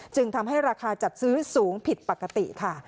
จึงทำให้ราคาจัดซื้อสูงผิดปกติค่ะ